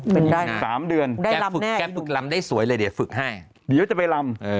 เป็นได้นะ๓เดือนแกฝึกแกฝึกลำได้สวยเลยเดี๋ยวฝึกให้เดี๋ยวจะไปลำ